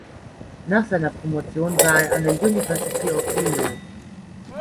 Nach seiner Promotion war er an der University of Illinois.